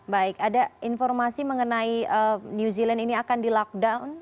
baik ada informasi mengenai new zealand ini akan di lockdown